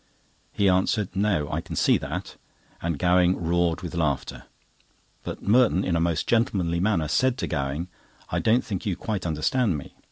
He answered: "No, I can see that," and Gowing roared with laughter; but Merton in a most gentlemanly manner said to Gowing: "I don't think you quite understand me.